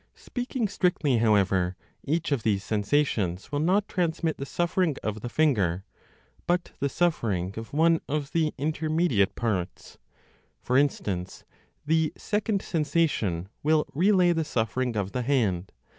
Speaking strictly, however, each of these sensations will not transmit the suffering of the finger, but the suffering of one of the intermediate parts. For instance, the second sensation will relay the suffering of the hand.